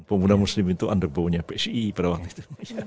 pemuda muslimin itu underbounya psii pada waktu itu